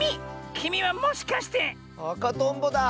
きみはもしかして⁉あかとんぼだ！